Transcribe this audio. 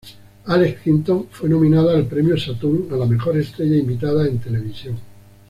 Alex Kingston fue nominada al premio Saturn a la mejor estrella invitada en televisión.